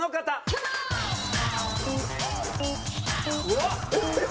うわっ！